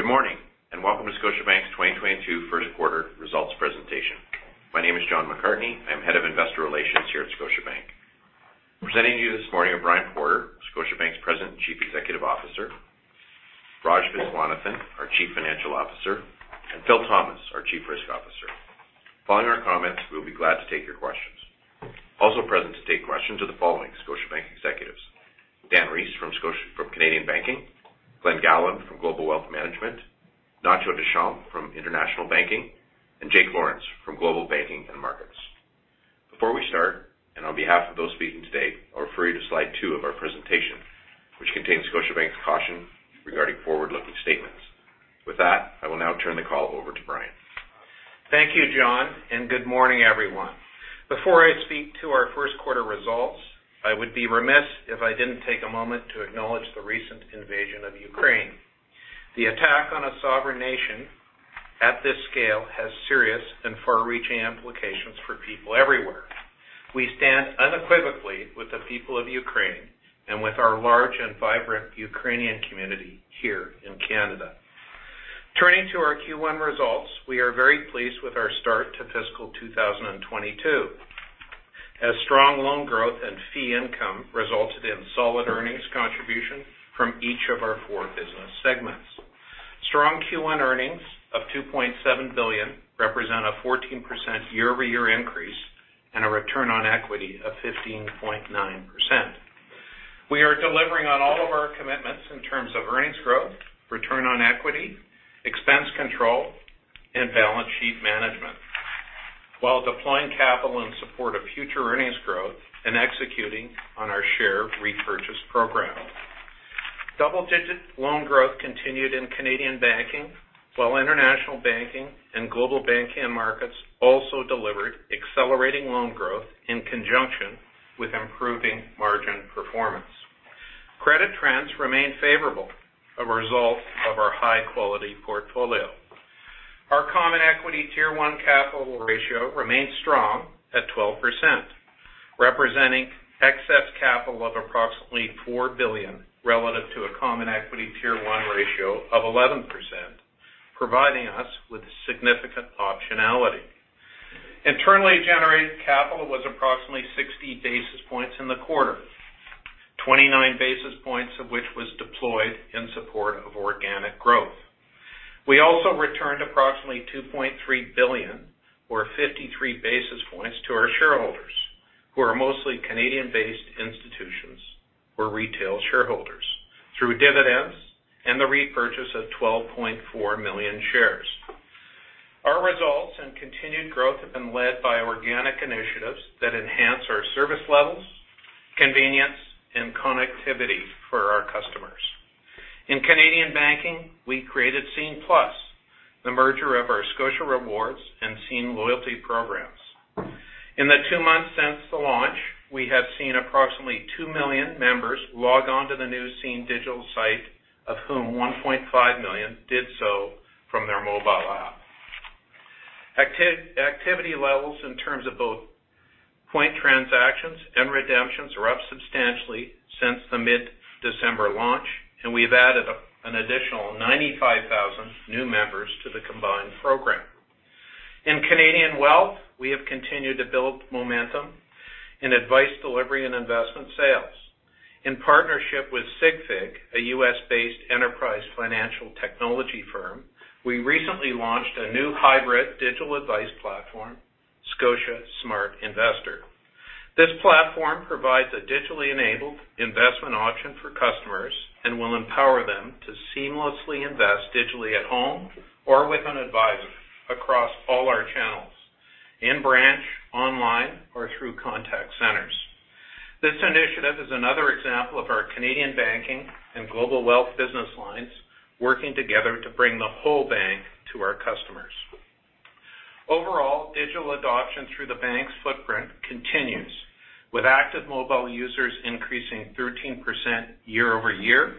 Good morning, and welcome to Scotiabank's 2022 Q1 results presentation. My name is John McCartney, I'm Head of Investor Relations here at Scotiabank. Presenting to you this morning are Brian Porter, Scotiabank's President and Chief Executive Officer, Raj Viswanathan, our Chief Financial Officer, and Phil Thomas, our Chief Risk Officer. Following our comments, we'll be glad to take your questions. Also present to take questions are the following Scotiabank executives: Dan Rees from Canadian Banking, Glen Gowland from Global Wealth Management, Ignacio Deschamps from International Banking, and Jake Lawrence from Global Banking and Markets. Before we start, and on behalf of those speaking today, I'll refer you to slide two of our presentation, which contains Scotiabank's caution regarding forward-looking statements. With that, I will now turn the call over to Brian. Thank you, John, and good morning, everyone. Before I speak to our Q1 results, I would be remiss if I didn't take a moment to acknowledge the recent invasion of Ukraine. The attack on a sovereign nation at this scale has serious and far-reaching implications for people everywhere. We stand unequivocally with the people of Ukraine and with our large and vibrant Ukrainian community here in Canada. Turning to our Q1 results, we are very pleased with our start to fiscal 2022. As strong loan growth and fee income resulted in solid earnings contribution from each of our four business segments. Strong Q1 earnings of 2.7 billion represent a 14% year-over-year increase and a return on equity of 15.9%. We are delivering on all of our commitments in terms of earnings growth, return on equity, expense control, and balance sheet management, while deploying capital in support of future earnings growth and executing on our share repurchase program. Double-digit loan growth continued in Canadian banking while international banking and global banking and markets also delivered accelerating loan growth in conjunction with improving margin performance. Credit trends remain favorable, a result of our high quality portfolio. Our common equity Tier 1 capital ratio remains strong at 12%, representing excess capital of approximately 4 billion relative to a common equity Tier 1 ratio of 11%, providing us with significant optionality. Internally generated capital was approximately 60 basis points in the quarter, 29 basis points of which was deployed in support of organic growth. We also returned approximately 2.3 billion or 53 basis points to our shareholders, who are mostly Canadian-based institutions or retail shareholders through dividends and the repurchase of 12.4 million shares. Our results and continued growth have been led by organic initiatives that enhance our service levels, convenience, and connectivity for our customers. In Canadian banking, we created Scene+, the merger of our Scotia Rewards and Scene loyalty programs. In the two months since the launch, we have seen approximately 2 million members log on to the new Scene digital site, of whom 1.5 million did so from their mobile app. Activity levels in terms of both point transactions and redemptions are up substantially since the mid-December launch, and we have added an additional 95,000 new members to the combined program. In Canadian Wealth, we have continued to build momentum in advice delivery and investment sales. In partnership with SigFig, a U.S.-based enterprise financial technology firm, we recently launched a new hybrid digital advice platform, Scotia Smart Investor. This platform provides a digitally enabled investment option for customers and will empower them to seamlessly invest digitally at home or with an advisor across all our channels, in branch, online, or through contact centers. This initiative is another example of our Canadian Banking and Global Wealth business lines working together to bring the whole bank to our customers. Overall, digital adoption through the bank's footprint continues, with active mobile users increasing 13% year-over-year,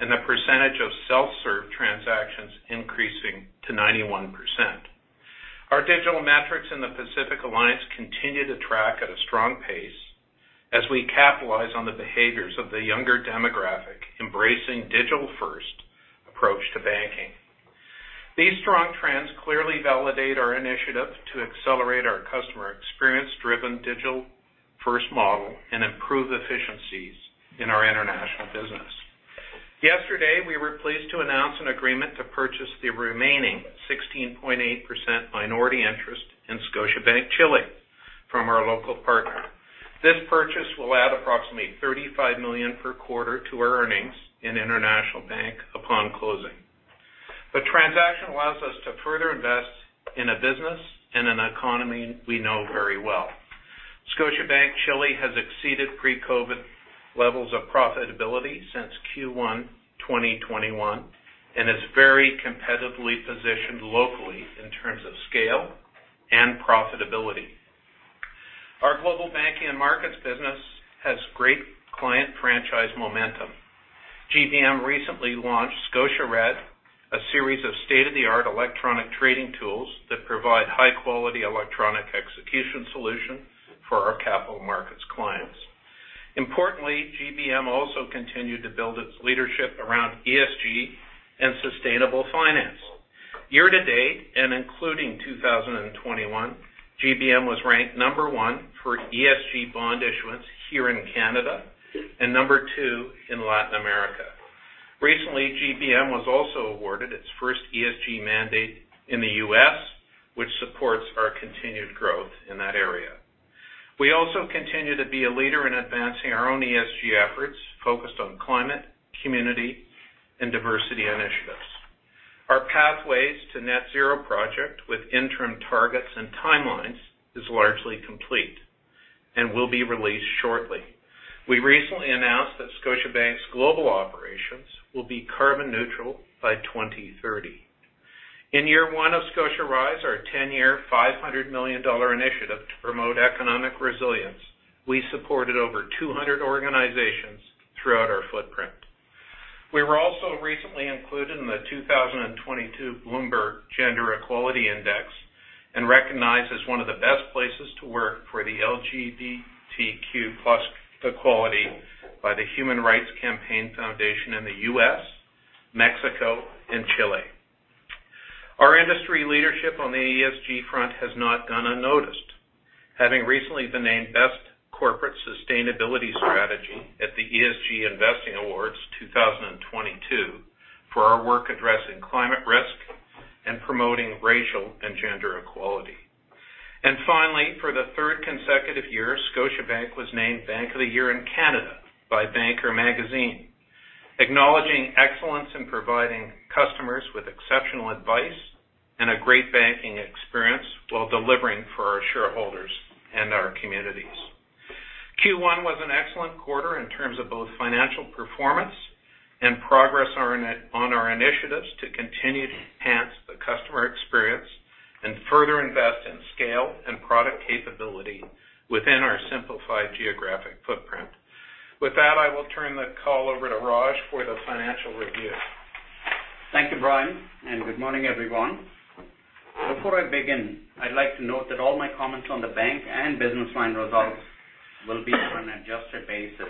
and the percentage of self-serve transactions increasing to 91%. Our digital metrics in the Pacific Alliance continue to track at a strong pace as we capitalize on the behaviors of the younger demographic embracing digital first approach to banking. These strong trends clearly validate our initiative to accelerate our customer experience-driven digital first model and improve efficiencies in our international business. Yesterday, we were pleased to announce an agreement to purchase the remaining 16.8% minority interest in Scotiabank Chile from our local partner. This purchase will add approximately 35 million per quarter to our earnings in International Banking upon closing. The transaction allows us to further invest in a business, in an economy we know very well. Scotiabank Chile has exceeded pre-COVID levels of profitability since Q1 2021 and is very competitively positioned locally in terms of scale and profitability. Our Global Banking and Markets business has great client franchise momentum. GBM recently launched ScotiaRED, a series of state-of-the-art electronic trading tools that provide high-quality electronic execution solution for our capital markets clients. Importantly, GBM also continued to build its leadership around ESG and sustainable finance. Year to date, and including 2021, GBM was ranked number one for ESG bond issuance here in Canada and number two in Latin America. Recently, GBM was also awarded its first ESG mandate in the U.S., which supports our continued growth in that area. We also continue to be a leader in advancing our own ESG efforts focused on climate, community, and diversity initiatives. Our pathways to net zero project with interim targets and timelines is largely complete and will be released shortly. We recently announced that Scotiabank's global operations will be carbon neutral by 2030. In year one of ScotiaRISE, our ten-year 500 million dollar initiative to promote economic resilience, we supported over 200 organizations throughout our footprint. We were also recently included in the 2022 Bloomberg Gender-Equality Index and recognized as one of the best places to work for the LGBTQ+ equality by the Human Rights Campaign Foundation in the U.S., Mexico, and Chile. Our industry leadership on the ESG front has not gone unnoticed, having recently been named Best Corporate Sustainability Strategy at the ESG Investing Awards 2022 for our work addressing climate risk and promoting racial and gender equality. Finally, for the third consecutive year, Scotiabank was named Bank of the Year in Canada by The Banker, acknowledging excellence in providing customers with exceptional advice and a great banking experience while delivering for our shareholders and our communities. Q1 was an excellent quarter in terms of both financial performance and progress on our initiatives to continue to enhance the customer experience and further invest in scale and product capability within our simplified geographic footprint. With that, I will turn the call over to Raj for the financial review. Thank you, Brian, and good morning, everyone. Before I begin, I'd like to note that all my comments on the bank and business line results will be on an adjusted basis.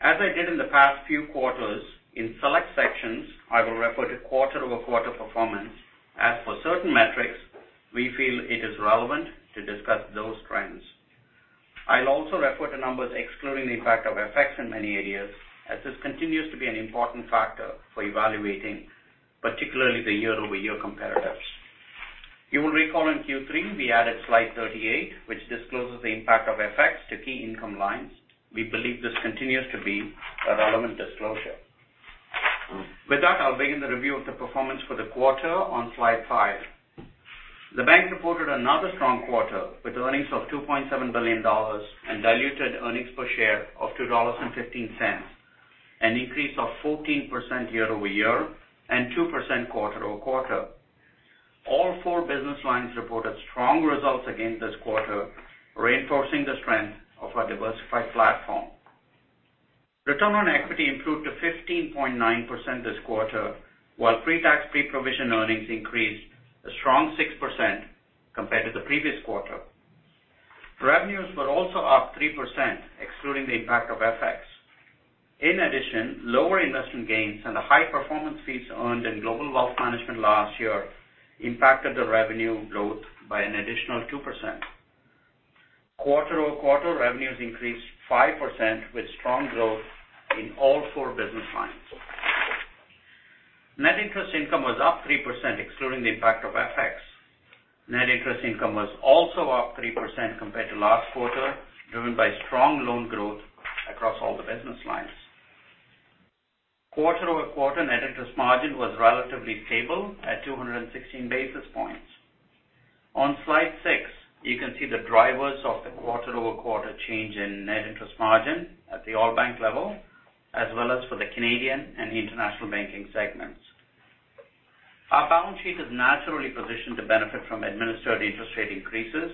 As I did in the past few quarters, in select sections, I will refer to quarter-over-quarter performance as for certain metrics we feel it is relevant to discuss those trends. I'll also refer to numbers excluding the impact of FX in many areas as this continues to be an important factor for evaluating, particularly the year-over-year comparatives. You will recall in Q3, we added slide 38, which discloses the impact of FX to key income lines. We believe this continues to be a relevant disclosure. With that, I'll begin the review of the performance for the quarter on slide five. The bank reported another strong quarter with earnings of 2.7 billion dollars and diluted earnings per share of 2.15 dollars, an increase of 14% year-over-year and 2% quarter-over-quarter. All four business lines reported strong results again this quarter, reinforcing the strength of our diversified platform. Return on equity improved to 15.9% this quarter, while pre-tax pre-provision earnings increased a strong 6% compared to the previous quarter. Revenues were also up 3% excluding the impact of FX. In addition, lower investment gains and the high performance fees earned in global wealth management last year impacted the revenue growth by an additional 2%. Quarter-over-quarter revenues increased 5% with strong growth in all four business lines. Net interest income was up 3% excluding the impact of FX. Net interest income was also up 3% compared to last quarter, driven by strong loan growth across all the business lines. Quarter-over-quarter net interest margin was relatively stable at 216 basis points. On slide six, you can see the drivers of the quarter-over-quarter change in net interest margin at the all bank level, as well as for the Canadian and international banking segments. Our balance sheet is naturally positioned to benefit from administered interest rate increases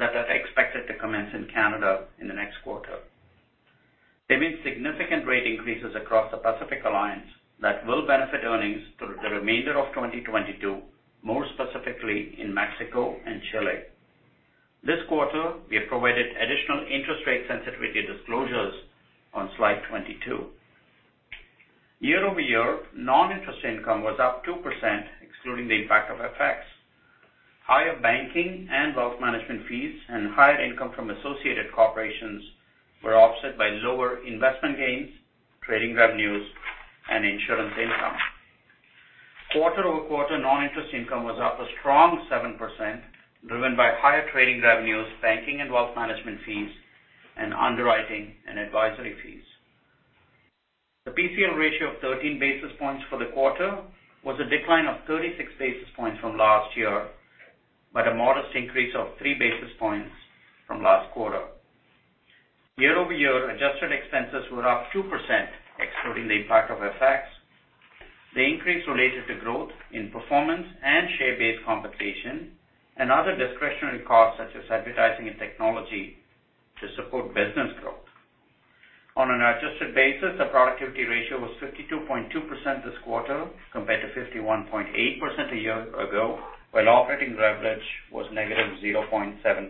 that are expected to commence in Canada in the next quarter. They made significant rate increases across the Pacific Alliance that will benefit earnings through the remainder of 2022, more specifically in Mexico and Chile. This quarter, we have provided additional interest rate sensitivity disclosures on slide 22. Year-over-year, non-interest income was up 2% excluding the impact of FX. Higher banking and wealth management fees and higher income from associated corporations were offset by lower investment gains, trading revenues, and insurance income. Quarter over quarter, non-interest income was up a strong 7%, driven by higher trading revenues, banking and wealth management fees, and underwriting and advisory fees. The PCL ratio of 13 basis points for the quarter was a decline of 36 basis points from last year, but a modest increase of 3 basis points from last quarter. Year over year, adjusted expenses were up 2% excluding the impact of FX. The increase related to growth in performance and share-based compensation and other discretionary costs such as advertising and technology to support business growth. On an adjusted basis, the productivity ratio was 52.2% this quarter compared to 51.8% a year ago, while operating leverage was -0.7%.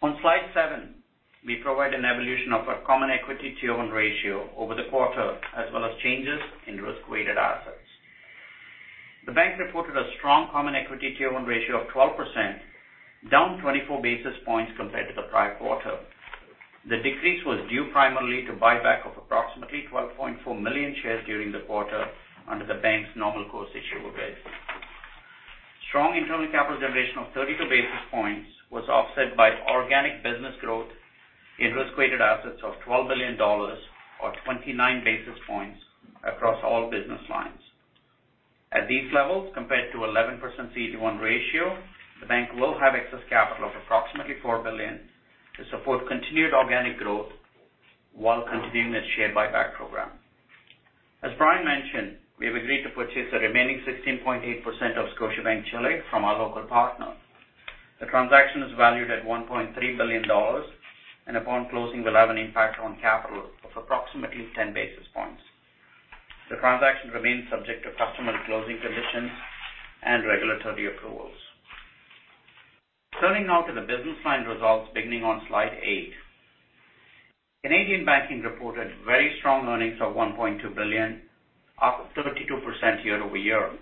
On slide seven, we provide an evolution of our common equity tier one ratio over the quarter as well as changes in risk-weighted assets. The bank reported a strong common equity tier one ratio of 12%, down 24 basis points compared to the prior quarter. The decrease was due primarily to buyback of approximately 12.4 million shares during the quarter under the bank's normal course issuer bid. Strong internal capital generation of 32 basis points was offset by organic business growth in risk-weighted assets of 12 billion dollars or 29 basis points across all business lines. At these levels, compared to 11% CET1 ratio, the bank will have excess capital of approximately 4 billion to support continued organic growth while continuing its share buyback program. As Brian mentioned, we have agreed to purchase the remaining 16.8% of Scotiabank Chile from our local partner. The transaction is valued at 1.3 billion dollars, and upon closing will have an impact on capital of approximately 10 basis points. The transaction remains subject to customary closing conditions and regulatory approvals. Turning now to the business line results beginning on slide eight. Canadian Banking reported very strong earnings of 1.2 billion, up 32% year-over-year.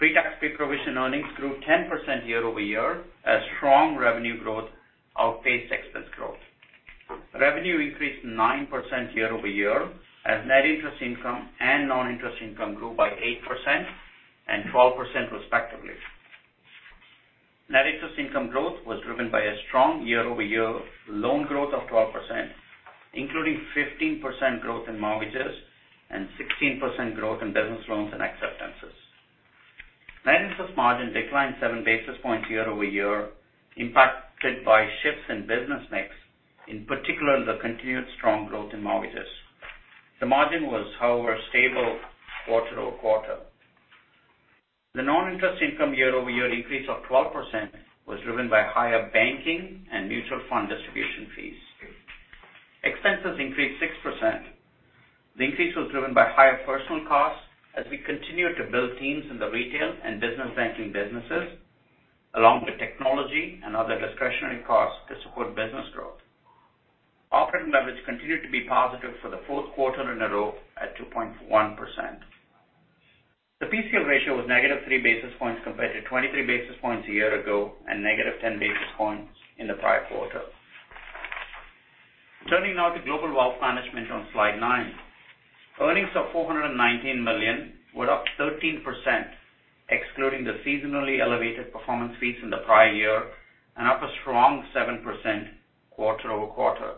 Pretax pre-provision earnings grew 10% year-over-year as strong revenue growth outpaced expense growth. Revenue increased 9% year-over-year as net interest income and non-interest income grew by 8% and 12%, respectively. Net interest income growth was driven by a strong year-over-year loan growth of 12%, including 15% growth in mortgages and 16% growth in business loans and acceptances. Net interest margin declined 7 basis points year-over-year, impacted by shifts in business mix, in particular, the continued strong growth in mortgages. The margin was, however, stable quarter-over-quarter. The non-interest income year-over-year increase of 12% was driven by higher banking and mutual fund distribution fees. Expenses increased 6%. The increase was driven by higher personal costs as we continue to build teams in the retail and business banking businesses, along with technology and other discretionary costs to support business growth. Operating leverage continued to be positive for the fourth quarter in a row at 2.1%. The PCL ratio was negative 3 basis points compared to 23 basis points a year ago and negative 10 basis points in the prior quarter. Turning now to Global Wealth Management on slide nine. Earnings of 419 million were up 13%, excluding the seasonally elevated performance fees in the prior year, and up a strong 7% quarter-over-quarter.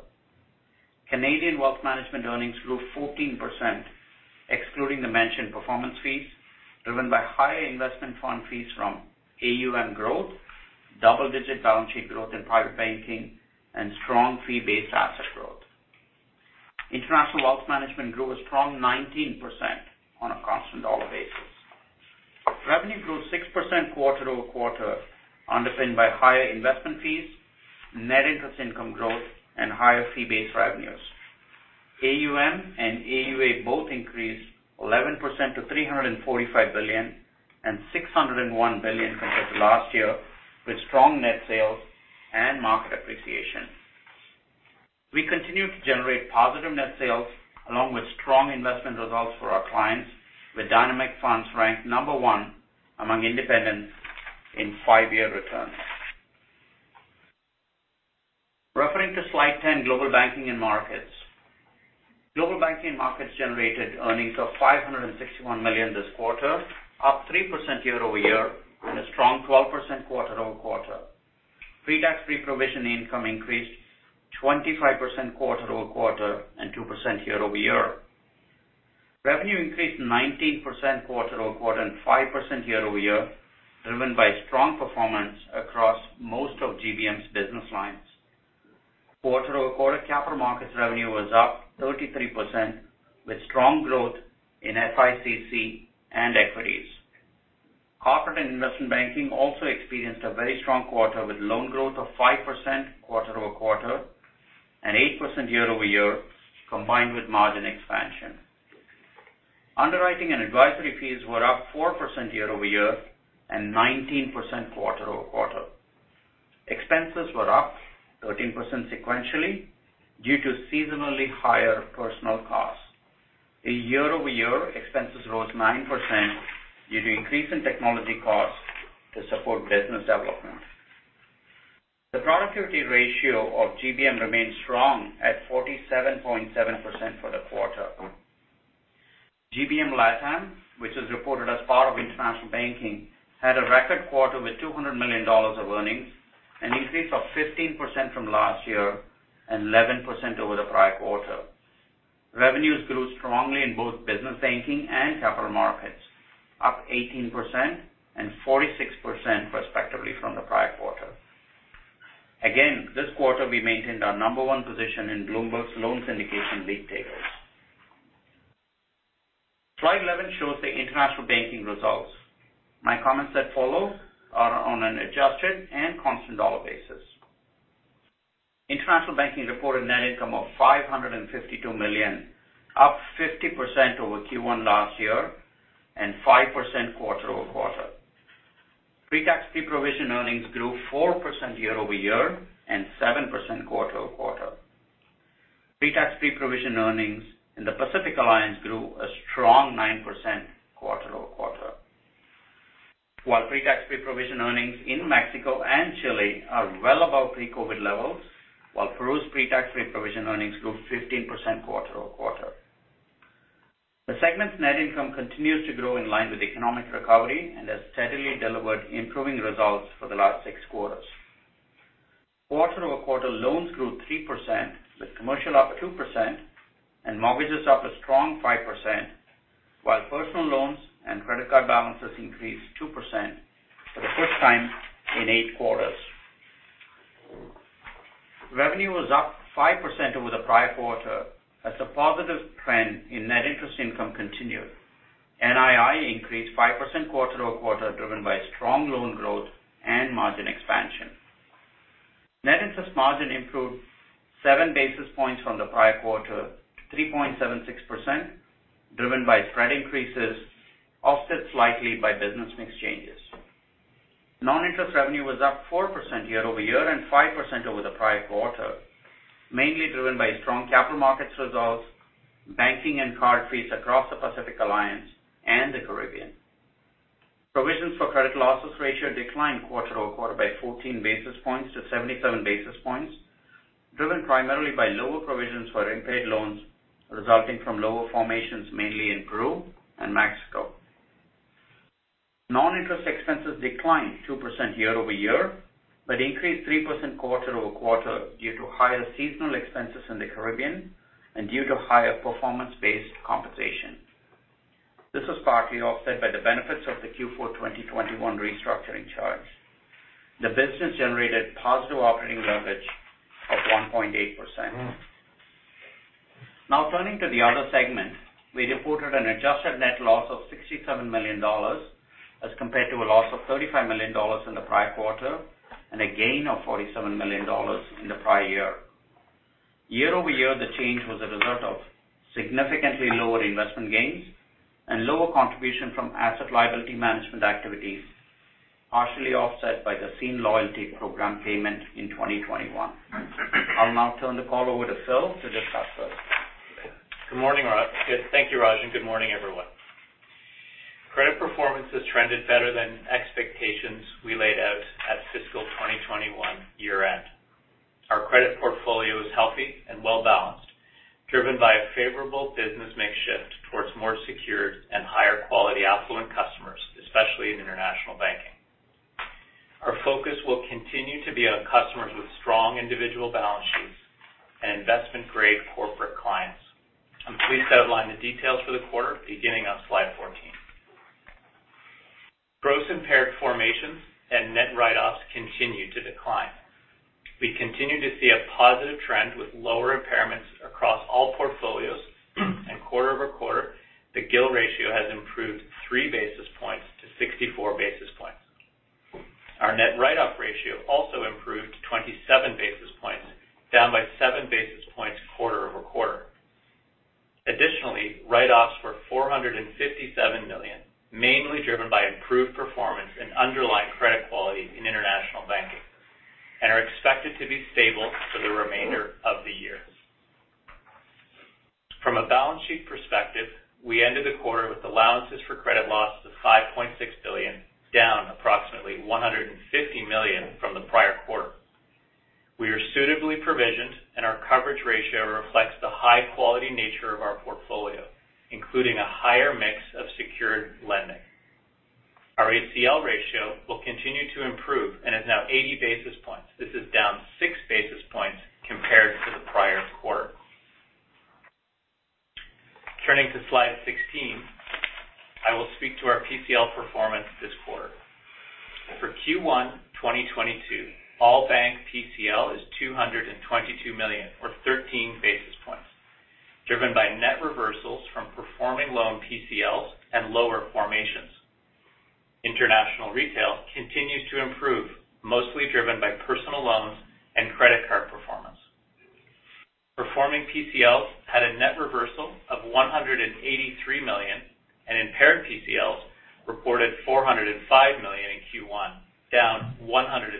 Canadian Wealth Management earnings grew 14%, excluding the mentioned performance fees, driven by higher investment fund fees from AUM growth, double-digit balance sheet growth in private banking, and strong fee-based asset growth. International Wealth Management grew a strong 19% on a constant dollar basis. Revenue grew 6% quarter-over-quarter, underpinned by higher investment fees, net interest income growth and higher fee-based revenues. AUM and AUA both increased 11% to 345 billion and 601 billion compared to last year, with strong net sales and market appreciation. We continue to generate positive net sales along with strong investment results for our clients, with Dynamic Funds ranked number one among independents in 5-year returns. Referring to slide 10, Global Banking and Markets. Global Banking and Markets generated earnings of 561 million this quarter, up 3% year-over-year and a strong 12% quarter-over-quarter. Pre-tax pre-provision income increased 25% quarter-over-quarter and 2% year-over-year. Revenue increased 19% quarter-over-quarter and 5% year-over-year, driven by strong performance across most of GBM's business lines. Quarter-over-quarter, capital markets revenue was up 33%, with strong growth in FICC and equities. Corporate and investment banking also experienced a very strong quarter, with loan growth of 5% quarter-over-quarter and 8% year-over-year, combined with margin expansion. Underwriting and advisory fees were up 4% year-over-year and 19% quarter-over-quarter. Expenses were up 13% sequentially due to seasonally higher personal costs. Year-over-year expenses rose 9% due to increase in technology costs to support business development. The productivity ratio of GBM remains strong at 47.7% for the quarter. GBM LatAm, which is reported as part of International Banking, had a record quarter with 200 million dollars of earnings, an increase of 15% from last year and 11% over the prior quarter. Revenues grew strongly in both business banking and capital markets, up 18% and 46% respectively from the prior quarter. This quarter we maintained our number one position in Bloomberg's loan syndication league tables. Slide 11 shows the international banking results. My comments that follow are on an adjusted and constant dollar basis. International Banking reported net income of 552 million, up 50% over Q1 last year and 5% quarter over quarter. Pre-tax pre-provision earnings grew 4% year-over-year and 7% quarter over quarter. Pre-tax pre-provision earnings in the Pacific Alliance grew a strong 9% quarter over quarter. While pre-tax pre-provision earnings in Mexico and Chile are well above pre-COVID levels, while Peru's pre-tax pre-provision earnings grew 15% quarter over quarter. The segment's net income continues to grow in line with economic recovery and has steadily delivered improving results for the last six quarters. Quarter over quarter loans grew 3%, with commercial up 2% and mortgages up a strong 5%, while personal loans and credit card balances increased 2% for the first time in eight quarters. Revenue was up 5% over the prior quarter as the positive trend in net interest income continued. NII increased 5% quarter-over-quarter, driven by strong loan growth and margin expansion. Net interest margin improved 7 basis points from the prior quarter to 3.76%, driven by spread increases, offset slightly by business mix changes. Non-interest revenue was up 4% year-over-year and 5% over the prior quarter, mainly driven by strong capital markets results, banking and card fees across the Pacific Alliance and the Caribbean. Provisions for credit losses ratio declined quarter-over-quarter by 14 basis points to 77 basis points, driven primarily by lower provisions for unpaid loans, resulting from lower formations mainly in Peru and Mexico. Non-interest expenses declined 2% year-over-year, but increased 3% quarter-over-quarter due to higher seasonal expenses in the Caribbean and due to higher performance-based compensation. This was partly offset by the benefits of the Q4 2021 restructuring charge. The business generated positive operating leverage of 1.8%. Now, turning to the other segment, we reported an adjusted net loss of 67 million dollars as compared to a loss of 35 million dollars in the prior quarter and a gain of 47 million dollars in the prior year. Year-over-year, the change was a result of significantly lower investment gains and lower contribution from asset liability management activities, partially offset by the Scene Loyalty program payment in 2021. I'll now turn the call over to Phil to discuss those. Good morning, Raj. Thank you Raj and good morning, everyone. Credit performance has trended better than expectations we laid out at fiscal 2021 year-end. Our credit portfolio is healthy and well-balanced, driven by a favorable business mix shift towards more secured and higher quality affluent customers, especially in international banking. Our focus will continue to be on customers with strong individual balance sheets and investment-grade corporate clients. I'm pleased to outline the details for the quarter beginning on slide 14. Gross impaired formations and net write-offs continue to decline. We continue to see a positive trend with lower impairments across all portfolios and quarter-over-quarter, the GIL ratio has improved 3 basis points to 64 basis points. Our net write-off ratio also improved 27 basis points, down by 7 basis points quarter-over-quarter. Write-offs were CAD 457 million, mainly driven by improved performance and underlying credit quality in international banking, and are expected to be stable for the remainder of the year. From a balance sheet perspective, we ended the quarter with allowances for credit losses of 5.6 billion, down approximately 150 million from the prior quarter. We are suitably provisioned, and our coverage ratio reflects the high quality nature of our portfolio, including a higher mix of secured lending. Our ACL ratio will continue to improve and is now 80 basis points. This is down 6 basis points compared to the prior quarter. Turning to slide 16, I will speak to our PCL performance this quarter. For Q1 2022, all bank PCL is 222 million or 13 basis points, driven by net reversals from performing loan PCLs and lower formations. International retail continues to improve, mostly driven by personal loans and credit card performance. Performing PCLs had a net reversal of 183 million, and impaired PCLs reported 405 million in Q1, down 106 million from last quarter. Overall, our credit portfolio remains strong and we continue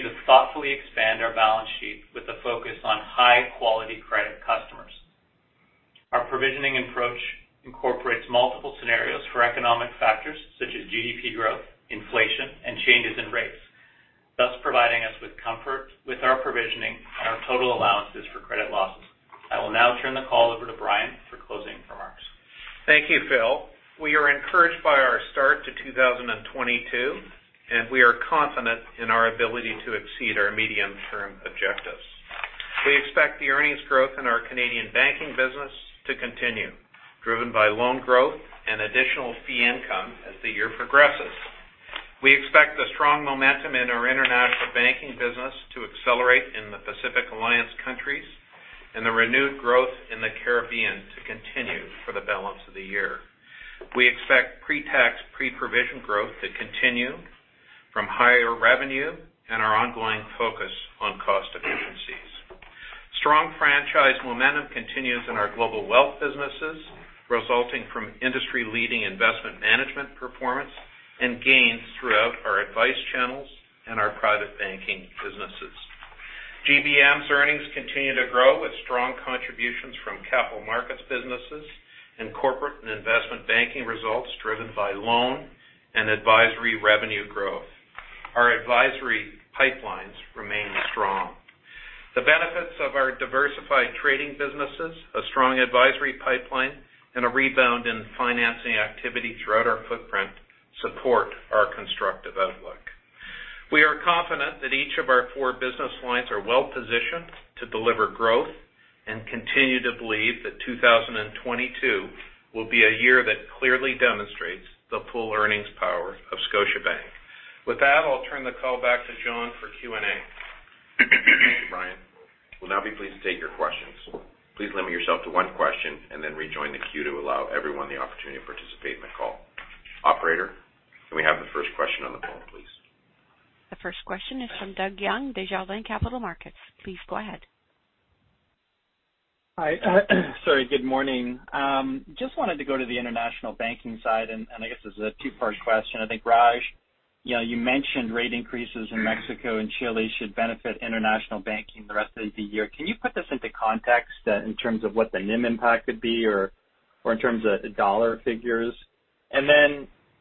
to thoughtfully expand our balance sheet with a focus on high-quality credit customers. Our provisioning approach incorporates multiple scenarios for economic factors such as GDP growth, inflation, and changes in rates, thus providing us with comfort with our provisioning and our total allowances for credit losses. I will now turn the call over to Brian for closing remarks. Thank you, Phil. We are encouraged by our start to 2022, and we are confident in our ability to exceed our medium-term objectives. We expect the earnings growth in our Canadian banking business to continue, driven by loan growth and additional fee income as the year progresses. We expect the strong momentum in our international banking business to accelerate in the Pacific Alliance countries and the renewed growth in the Caribbean to continue for the balance of the year. We expect pre-tax, pre-provision growth to continue from higher revenue and our ongoing focus on cost efficiencies. Strong franchise momentum continues in our global wealth businesses, resulting from industry-leading investment management performance and gains throughout our advice channels and our private banking businesses. GBM's earnings continue to grow with strong contributions from capital markets businesses and corporate and investment banking results driven by loan and advisory revenue growth. Our advisory pipelines remain strong. The benefits of our diversified trading businesses, a strong advisory pipeline, and a rebound in financing activity throughout our footprint support our constructive outlook. We are confident that each of our four business lines are well-positioned to deliver growth and continue to believe that 2022 will be a year that clearly demonstrates the full earnings power of Scotiabank. With that, I'll turn the call back to John for Q&A. Thank you Brian. We'll now be pleased to take your questions. Please limit yourself to one question and then rejoin the queue to allow everyone the opportunity to participate in the call. Operator, can we have the first question on the call, please? The first question is from Douglas Young, Desjardins Capital Markets. Please go ahead. Hi. Sorry good morning. Just wanted to go to the international banking side, and I guess this is a two-part question. I think, Raj, you know, you mentioned rate increases in Mexico and Chile should benefit international banking the rest of the year. Can you put this into context, in terms of what the NIM impact could be or in terms of dollar figures?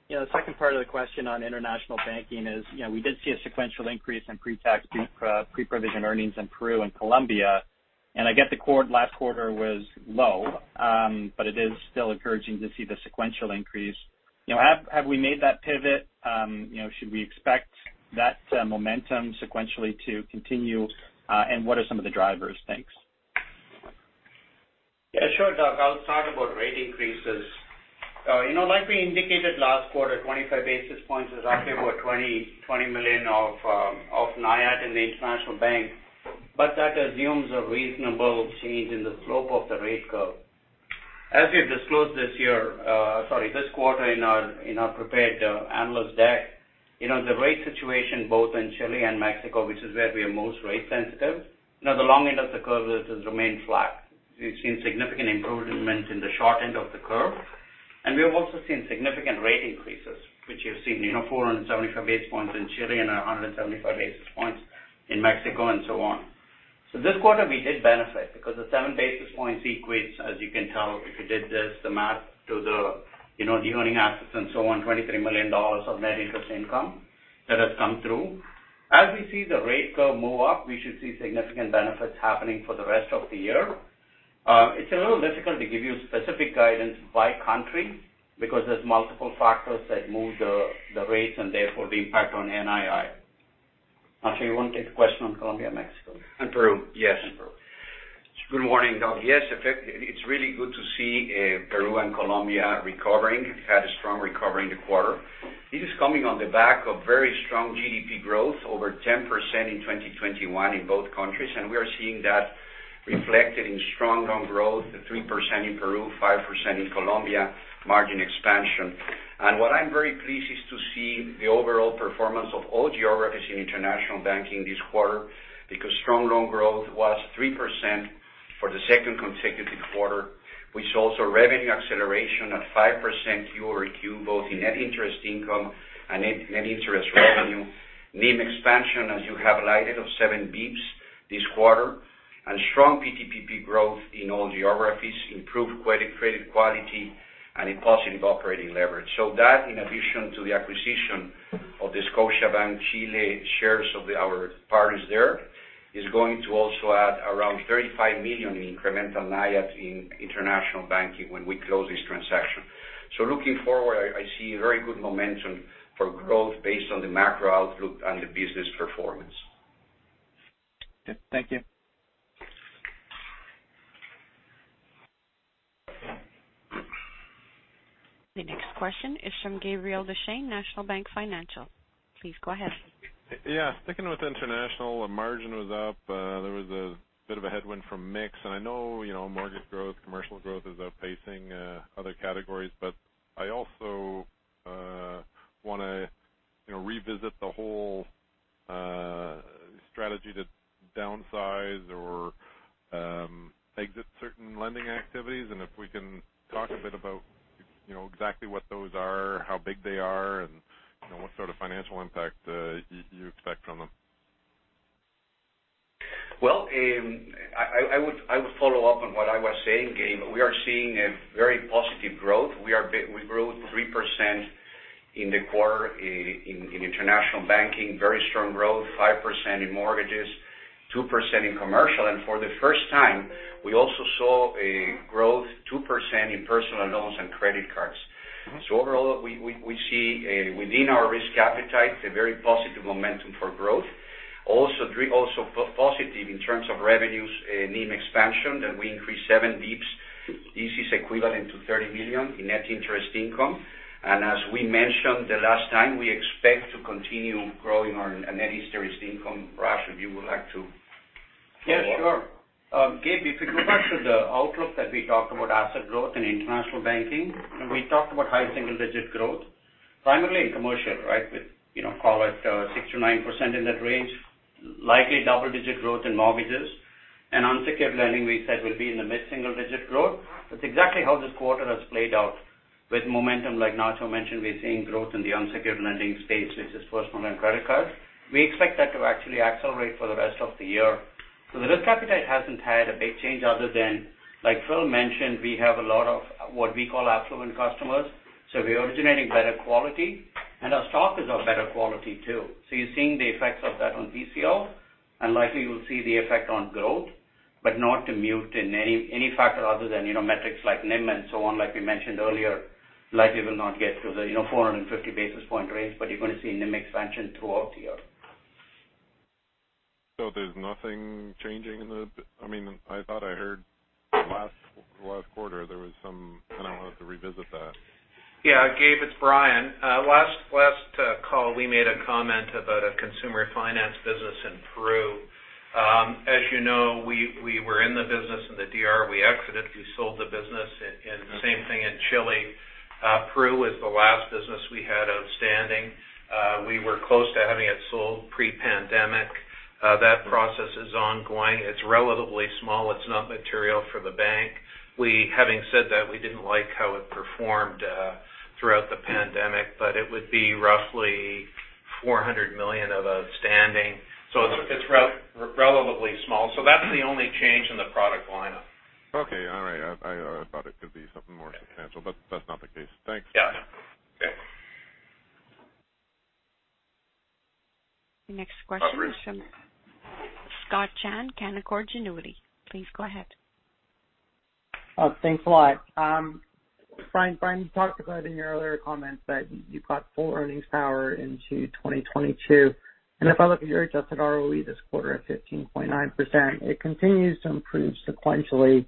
You know, the second part of the question on international banking is, you know, we did see a sequential increase in pre-tax, pre-provision earnings in Peru and Colombia. I get the last quarter was low, but it is still encouraging to see the sequential increase. You know, have we made that pivot? You know, should we expect that momentum sequentially to continue? And what are some of the drivers? Thanks. Yeah, sure, Doug. I'll talk about rate increases. You know, like we indicated last quarter, 25 basis points is roughly about 20 million of NIAT in the international bank. That assumes a reasonable change in the slope of the rate curve. As we've disclosed this year, this quarter in our prepared analyst deck, you know, the rate situation both in Chile and Mexico, which is where we are most rate sensitive, you know, the long end of the curve has remained flat. We've seen significant improvement in the short end of the curve, and we have also seen significant rate increases, which you've seen, you know, 475 basis points in Chile and 175 basis points in Mexico and so on. This quarter we did benefit because the seven basis points equates, as you can tell if you did this, the math to the, you know, the earning assets and so on, 23 million dollars of net interest income that has come through. As we see the rate curve move up, we should see significant benefits happening for the rest of the year. It's a little difficult to give you specific guidance by country because there's multiple factors that move the rates and therefore the impact on NII. Ignacio, you want to take the question on Colombia and Mexico? Peru, yes. Peru. Good morning, Doug. Yes, it's really good to see Peru and Colombia recovering. Had a strong recovery in the quarter. This is coming on the back of very strong GDP growth, over 10% in 2021 in both countries, and we are seeing that reflected in strong loan growth, 3% in Peru, 5% in Colombia, margin expansion. What I'm very pleased is to see the overall performance of all geographies in international banking this quarter because strong loan growth was 3% for the second consecutive quarter. We saw also revenue acceleration at 5% Q-over-Q, both in net interest income and net interest revenue. NIM expansion, as you have highlighted, of seven basis points this quarter. Strong PTPP growth in all geographies, improved credit quality, and a positive operating leverage. that in addition to the acquisition of the Scotiabank Chile shares of our partners there, is going to also add around 35 million in incremental NIAT in international banking when we close this transaction. Looking forward, I see very good momentum for growth based on the macro outlook and the business performance. Okay. Thank you. The next question is from Gabriel Dechaine, National Bank Financial. Please go ahead. Yeah. Sticking with international margin was up. There was a bit of a headwind from mix, and I know, you know, mortgage growth, commercial growth is outpacing other categories. I also wanna, you know, revisit the whole strategy to downsize or exit certain lending activities and if we can talk a bit about, you know, exactly what those are, how big they are and, you know, what sort of financial impact you expect from them. Well, I would follow up on what I was saying, Gabe. We are seeing a very positive growth. We grew 3% in the quarter in International Banking. Very strong growth, 5% in mortgages, 2% in commercial. For the first time we also saw a growth 2% in personal loans and credit cards. Overall, we see within our risk appetite a very positive momentum for growth. Also positive in terms of revenues, NIM expansion that we increased seven basis points. This is equivalent to 30 million in net interest income. As we mentioned the last time, we expect to continue growing our net interest income. Raj, if you would like to Yes, sure. Gabe, if you go back to the outlook that we talked about asset growth in international banking, and we talked about high single-digit growth primarily in commercial, right? With, you know, call it 6%-9% in that range, likely double-digit growth in mortgages. Unsecured lending we said will be in the mid-single-digit growth. That's exactly how this quarter has played out with momentum like Ignacio mentioned, we're seeing growth in the unsecured lending space, which is personal and credit cards. We expect that to actually accelerate for the rest of the year. The risk appetite hasn't had a big change other than, like Phil mentioned, we have a lot of what we call affluent customers. We're originating better quality, and our stock is of better quality too. You're seeing the effects of that on PCL, and likely you'll see the effect on growth, but not muted in any factor other than, you know, metrics like NIM and so on, like we mentioned earlier. Likely will not get to the, you know, 450 basis point range, but you're gonna see NIM expansion throughout the year. There's nothing changing in the... I mean, I thought I heard last quarter there was some... I wanted to revisit that. Yeah, Gabe, it's Brian. Last call, we made a comment about a consumer finance business in Peru. As you know, we were in the business in the DR. We exited, we sold the business, and same thing in Chile. Peru is the last business we had outstanding. We were close to having it sold pre-pandemic. That process is ongoing. It's relatively small. It's not material for the bank. Having said that, we didn't like how it performed throughout the pandemic, but it would be roughly 400 million outstanding. It's relatively small. That's the only change in the product lineup. Okay. All right. I thought it could be something more substantial, but that's not the case. Thanks. Yeah. Okay. The next question is from Scott Chan, Canaccord Genuity. Please go ahead. Thanks a lot. Brian, you talked about in your earlier comments that you've got full earnings power into 2022. If I look at your adjusted ROE this quarter of 15.9%, it continues to improve sequentially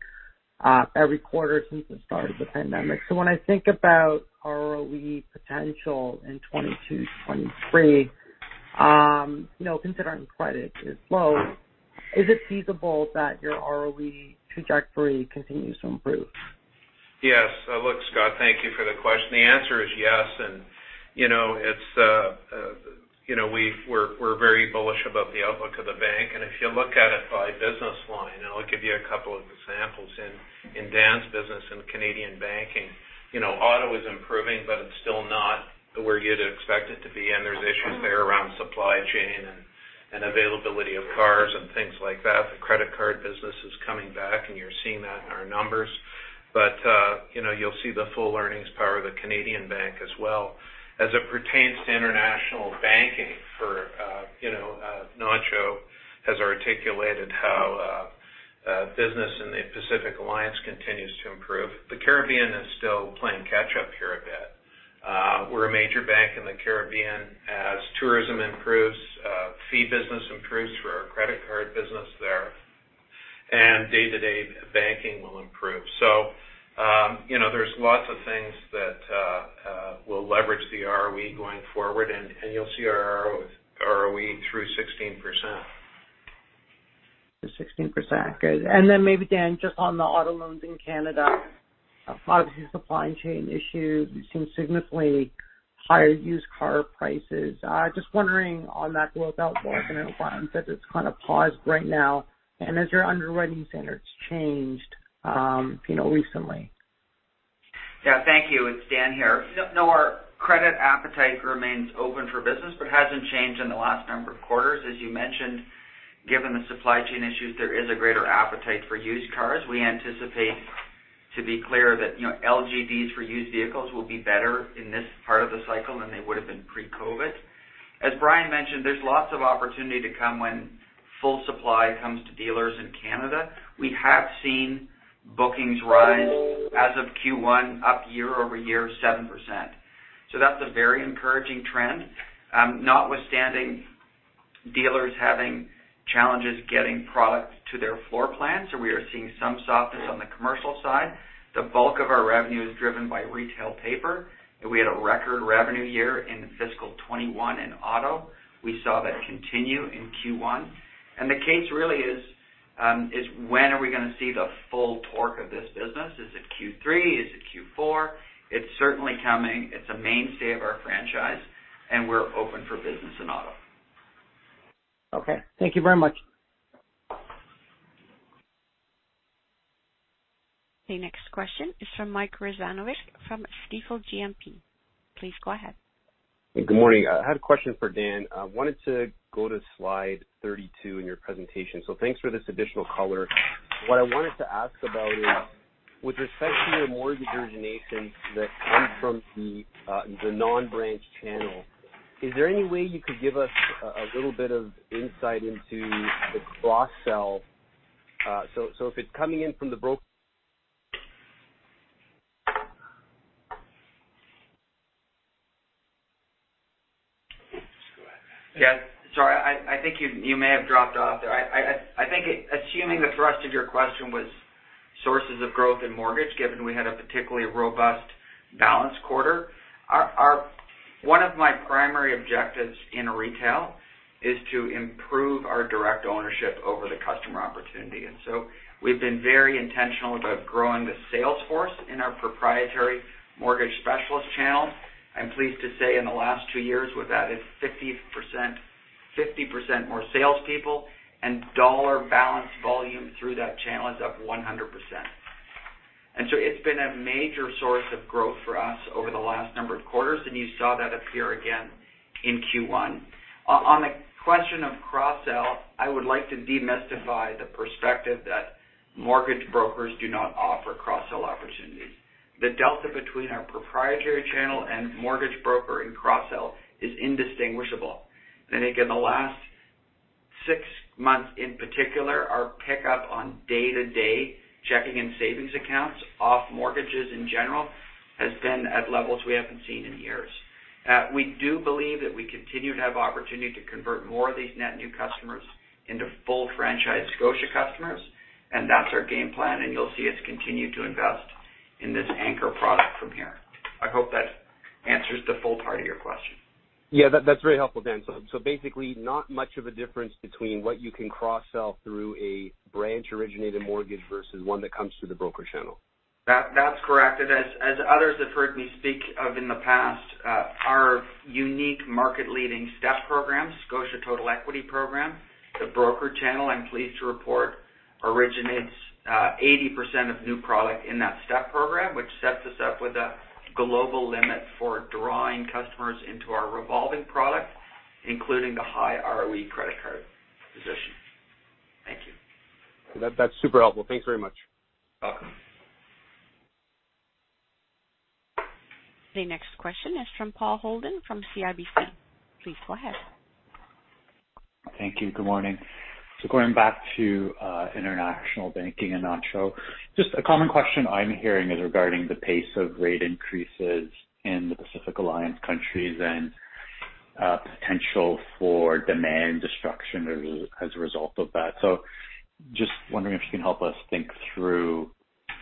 every quarter since the start of the pandemic. When I think about ROE potential in 2022, 2023, you know, considering credit is low, is it feasible that your ROE trajectory continues to improve? Yes. Look, Scott, thank you for the question. The answer is yes. You know, it's you know, we're very bullish about the outlook of the bank. If you look at it by business line, and I'll give you a couple of examples in Dan's business in Canadian Banking. You know, auto is improving, but it's still not where you'd expect it to be, and there's issues there around supply chain and availability of cars and things like that. The credit card business is coming back, and you're seeing that in our numbers. You know, you'll see the full earnings power of the Canadian bank as well. As it pertains to International Banking, you know, Ignacio has articulated how business in the Pacific Alliance continues to improve. The Caribbean is still playing catch up here a bit. We're a major bank in the Caribbean. As tourism improves, fee business improves for our credit card business there, and day-to-day banking will improve. You know, there's lots of things that will leverage the ROE going forward, and you'll see our ROE through 16%. To 16%. Good. Maybe Dan, just on the auto loans in Canada, obviously supply chain issue, we've seen significantly higher used car prices. Just wondering on that growth outlook and it sounds as it's kind of paused right now, and has your underwriting standards changed, you know, recently? Yeah, thank you. It's Dan here. No, our credit appetite remains open for business, but hasn't changed in the last number of quarters. As you mentioned, given the supply chain issues, there is a greater appetite for used cars. We anticipate to be clear that, you know, LGDs for used vehicles will be better in this part of the cycle than they would have been pre-COVID. As Brian mentioned, there's lots of opportunity to come when full supply comes to dealers in Canada. We have seen bookings rise as of Q1 up year-over-year 7%. So that's a very encouraging trend. Notwithstanding dealers having challenges getting product to their floor plans, so we are seeing some softness on the commercial side. The bulk of our revenue is driven by retail paper, and we had a record revenue year in fiscal 2021 in auto. We saw that continue in Q1. The case really is when are we gonna see the full torque of this business? Is it Q3? Is it Q4? It's certainly coming. It's a mainstay of our franchise, and we're open for business in auto. Okay. Thank you very much. The next question is from Mike Rizvanovic from Stifel GMP. Please go ahead. Good morning. I had a question for Dan. I wanted to go to slide 32 in your presentation. Thanks for this additional color. What I wanted to ask about is. With respect to your mortgage originations that come from the non-branch channel, is there any way you could give us a little bit of insight into the cross-sell? If it's coming in from the broke- Just go ahead. Yeah. Sorry, I think you may have dropped off there. I think, assuming the thrust of your question was sources of growth in mortgage, given we had a particularly robust balance quarter. One of my primary objectives in retail is to improve our direct ownership over the customer opportunity. We've been very intentional about growing the sales force in our proprietary mortgage specialist channel. I'm pleased to say in the last two years, we've added 50% more salespeople and dollar balance volume through that channel is up 100%. It's been a major source of growth for us over the last number of quarters, and you saw that appear again in Q1. On the question of cross-sell, I would like to demystify the perspective that mortgage brokers do not offer cross-sell opportunities. The delta between our proprietary channel and mortgage broker in cross-sell is indistinguishable. I think in the last six months, in particular, our pickup on day-to-day checking and savings accounts off mortgages in general has been at levels we haven't seen in years. We do believe that we continue to have opportunity to convert more of these net new customers into full franchise Scotia customers, and that's our game plan, and you'll see us continue to invest in this anchor product from here. I hope that answers the full part of your question. Yeah, that's very helpful, Dan. Basically, not much of a difference between what you can cross-sell through a branch-originated mortgage versus one that comes through the broker channel. That's correct. As others have heard me speak of in the past, our unique market-leading STEP program, Scotia Total Equity Plan, the broker channel, I'm pleased to report, originates 80% of new product in that STEP program, which sets us up with a global limit for drawing customers into our revolving product, including the high ROE credit card position. Thank you. That's super helpful. Thanks very much. Welcome. The next question is from Paul Holden from CIBC. Please go ahead. Thank you. Good morning. Going back to international banking and Ignacio. Just a common question I'm hearing is regarding the pace of rate increases in the Pacific Alliance countries and potential for demand destruction as a result of that. Just wondering if you can help us think through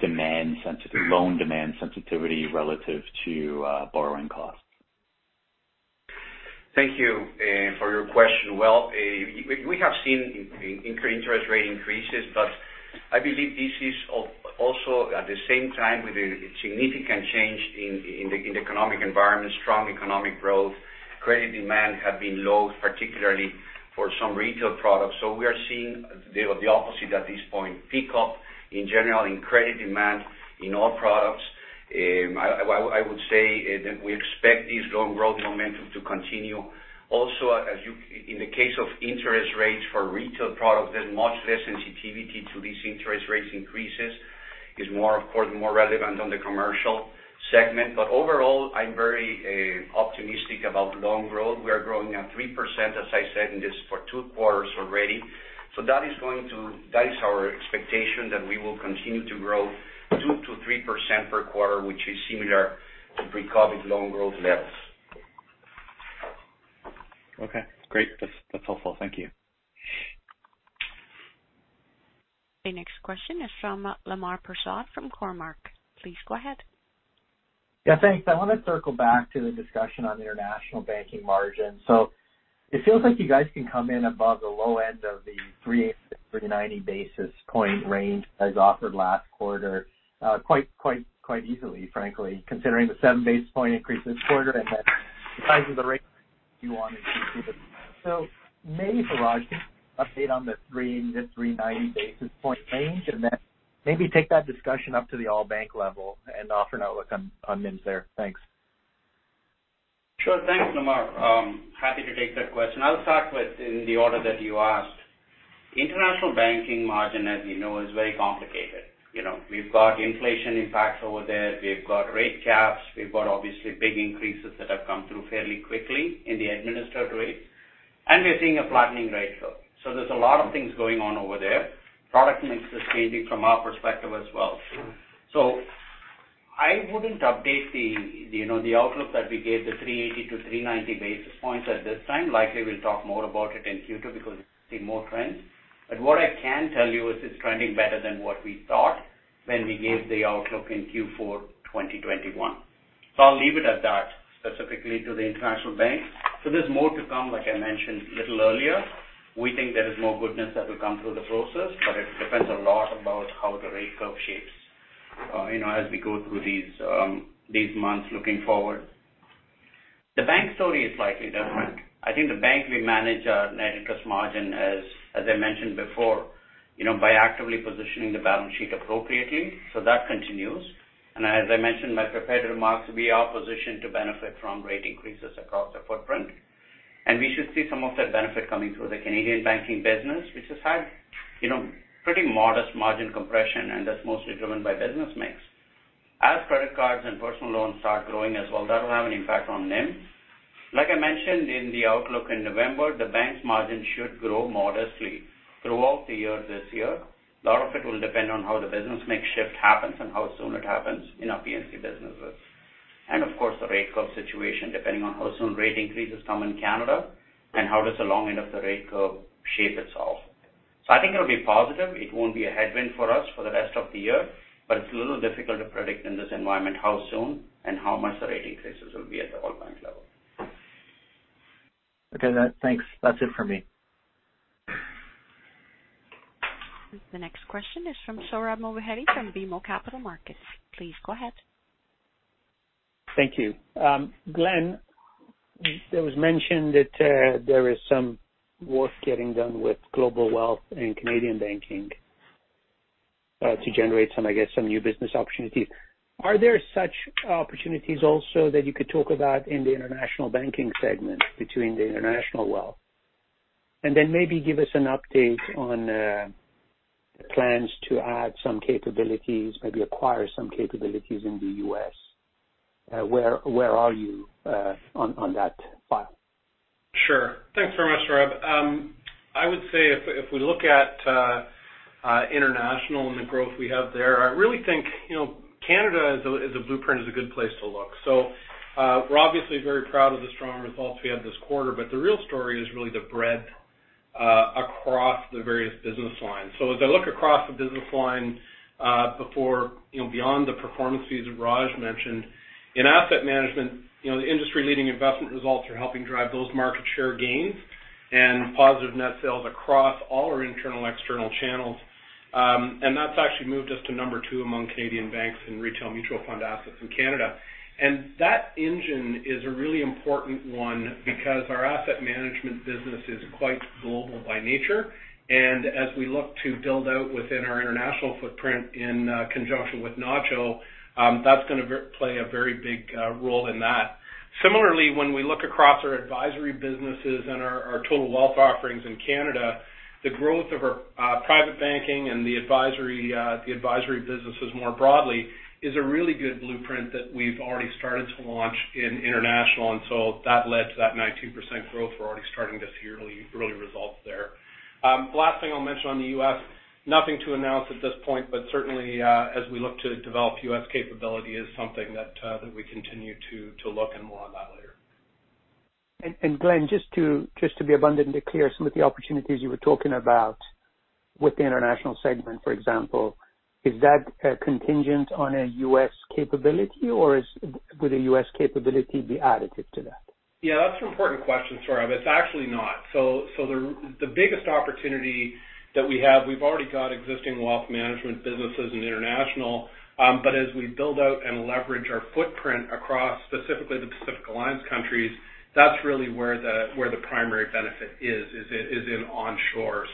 demand sensitivity, loan demand sensitivity relative to borrowing costs? Thank you for your question. Well, we have seen interest rate increases, but I believe this is also at the same time with a significant change in the economic environment, strong economic growth. Credit demand have been low, particularly for some retail products. We are seeing the opposite at this point, pick up in general in credit demand in all products. I would say that we expect this loan growth momentum to continue. Also, in the case of interest rates for retail products, there's much less sensitivity to these interest rate increases. It's more, of course, more relevant on the commercial segment. Overall, I'm very optimistic about loan growth. We are growing at 3%, as I said, and this is for two quarters already. That is our expectation that we will continue to grow 2%-3% per quarter, which is similar to pre-COVID loan growth levels. Okay, great. That's helpful. Thank you. The next question is from Lemar Persaud from Cormark. Please go ahead. Yeah, thanks. I want to circle back to the discussion on international banking margin. It feels like you guys can come in above the low end of the 380-390 basis point range as offered last quarter, quite easily, frankly, considering the 7 basis point increase this quarter and then the size of the raise you wanted to do this. Maybe Raj just update on the 380-390 basis point range, and then maybe take that discussion up to the all-bank level and offer an outlook on NIMS there. Thanks. Sure. Thanks, Lemar. Happy to take that question. I'll start with in the order that you asked. International banking margin, as you know, is very complicated. You know, we've got inflation impacts over there. We've got rate caps. We've got obviously big increases that have come through fairly quickly in the administered rates, and we're seeing a flattening rate curve. There's a lot of things going on over there. Product mix is changing from our perspective as well. I wouldn't update the, you know, the outlook that we gave, the 380-390 basis points at this time. Likely, we'll talk more about it in Q2 because we see more trends. What I can tell you is it's trending better than what we thought when we gave the outlook in Q4 2021. I'll leave it at that, specifically to the international bank. There's more to come, like I mentioned a little earlier. We think there is more goodness that will come through the process, but it depends a lot about how the rate curve shapes, you know, as we go through these months looking forward. The bank story is slightly different. I think the bank will manage our net interest margin, as I mentioned before, by actively positioning the balance sheet appropriately. That continues. As I mentioned in my prepared remarks, we are positioned to benefit from rate increases across our footprint, and we should see some of that benefit coming through the Canadian banking business, which has had, you know, pretty modest margin compression, and that's mostly driven by business mix. As credit cards and personal loans start growing as well, that will have an impact on NIM. Like I mentioned in the outlook in November, the bank's margin should grow modestly throughout the year this year. A lot of it will depend on how the business mix shift happens and how soon it happens in our BNC businesses, of course, the rate curve situation, depending on how soon rate increases come in Canada and how does the long end of the rate curve shape itself. I think it'll be positive. It won't be a headwind for us for the rest of the year, but it's a little difficult to predict in this environment how soon and how much the rate increases will be at the whole bank level. Okay. Thanks. That's it for me. The next question is from Sohrab Movahedi from BMO Capital Markets. Please go ahead. Thank you. Glen, there was mention that there is some work getting done with global wealth and Canadian banking to generate some, I guess, some new business opportunities. Are there such opportunities also that you could talk about in the international banking segment between the international wealth? Then maybe give us an update on plans to add some capabilities, maybe acquire some capabilities in the U.S. Where are you on that file? Sure. Thanks very much, Sohrab. I would say if we look at international and the growth we have there, I really think, you know, Canada as a blueprint is a good place to look. We're obviously very proud of the strong results we had this quarter, but the real story is really the breadth across the various business lines. As I look across the business lines, before, you know, beyond the performance fees that Raj mentioned. In asset management, you know, the industry-leading investment results are helping drive those market share gains and positive net sales across all our internal external channels. That's actually moved us to number two among Canadian banks in retail mutual fund assets in Canada. That engine is a really important one because our asset management business is quite global by nature. As we look to build out within our international footprint in conjunction with Ignacio, that's gonna play a very big role in that. Similarly, when we look across our advisory businesses and our total wealth offerings in Canada, the growth of our private banking and the advisory businesses more broadly is a really good blueprint that we've already started to launch in international. That led to that 92% growth. We're already starting to see early results there. The last thing I'll mention on the U.S., nothing to announce at this point, but certainly, as we look to develop U.S. capability is something that we continue to look at and more on that later. Glen, just to be abundantly clear, some of the opportunities you were talking about with the international segment, for example, is that contingent on a U.S. capability or would a U.S. capability be additive to that? Yeah, that's an important question, Sohrab. It's actually not. The biggest opportunity that we have, we've already got existing wealth management businesses in international. But as we build out and leverage our footprint across specifically the Pacific Alliance countries, that's really where the primary benefit is in onshore.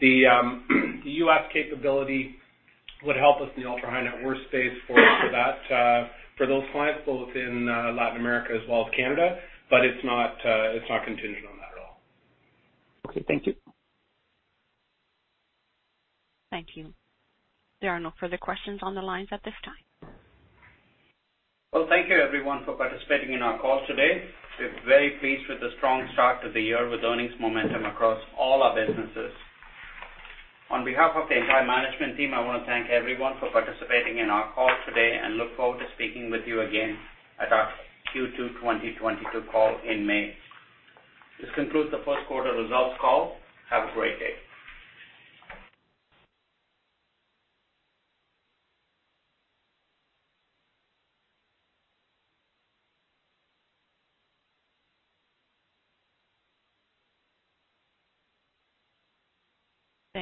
The U.S. capability would help us in the ultra-high net worth space for those clients both in Latin America as well as Canada, but it's not contingent on that at all. Okay. Thank you. Thank you. There are no further questions on the lines at this time. Well, thank you everyone for participating in our call today. We're very pleased with the strong start to the year with earnings momentum across all our businesses. On behalf of the entire management team, I want to thank everyone for participating in our call today and look forward to speaking with you again at our Q2 2022 call in May. This concludes the Q1 results call. Have a great day.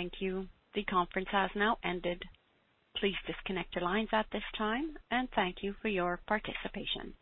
Thank you. The conference has now ended. Please disconnect your lines at this time, and thank you for your participation.